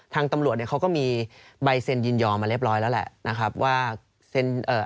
ทางตำรวจเนี้ยเขาก็มีใบเซ็นยินยอมมาเรียบร้อยแล้วแหละนะครับว่าเซ็นเอ่อ